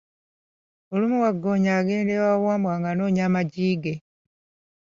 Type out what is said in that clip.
Olumu Waggoonya agenda ewa Wambwa nga anoonya amaggi ge.